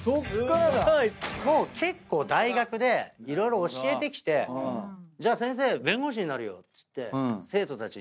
もう結構大学で色々教えてきてじゃあ先生弁護士になるよっつって。